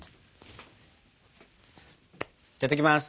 いただきます。